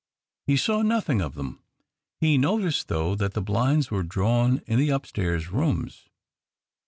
He saw nothing of them. He noticed though that the blinds were drawn in the upstairs rooms.